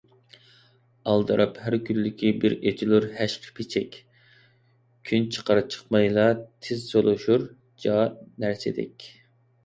ئالدىراپ ھەركۈنلۈكى بىر ئېچىلۇر ھەشقىپىچەك، كۈن چىقار - چىقمايلا تېز سولىشۇر جا نەرسىدەك.